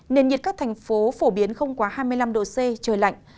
nền nhiệt các thành phố phổ biến không quá hai mươi năm độ c trời lạnh